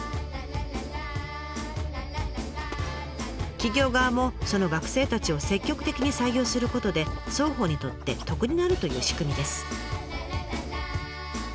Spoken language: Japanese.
企業側もその学生たちを積極的に採用することで双方にとって得になるという仕組みです。